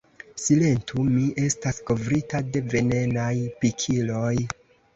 "Silentu, mi estas kovrita de venenaj pikiloj!"